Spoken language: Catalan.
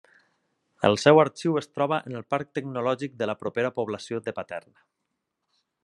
El seu arxiu es troba en el parc tecnològic de la propera població de Paterna.